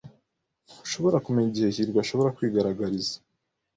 Ntushobora kumenya igihe hirwa ashobora kwigaragariza.